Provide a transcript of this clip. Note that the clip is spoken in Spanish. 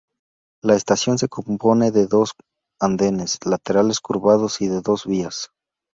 La estación se compone de dos andenes laterales curvados y de dos vías.